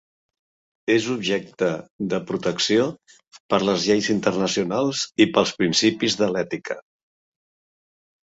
És objecte de protecció per les lleis internacionals i pels principis de l'ètica.